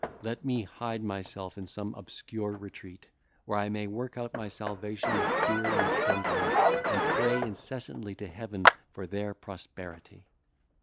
let me hide myself in some obscure retreat, where I may work out my salvation with fear and trembling, and pray incessantly to Heaven for their prosperity."